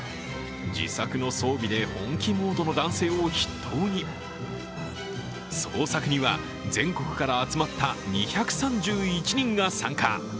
自作の装備で本気モードの男性を筆頭に捜索には全国から集まった２３１人が参加。